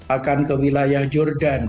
akan ke wilayah jordan